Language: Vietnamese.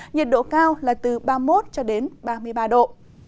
nhiệt độ cao là từ ba mươi một cho đến ba mươi ba độ